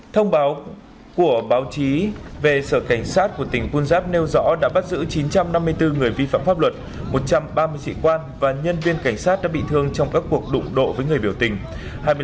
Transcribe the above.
thông báo của báo chí về sở cảnh sát của tỉnh quân giáp nêu rõ đã bắt giữ chín trăm năm mươi bốn người vi phạm pháp luật một trăm ba mươi sĩ quan và nhân viên cảnh sát đã bị thương trong các cuộc đụng độ với người biểu tình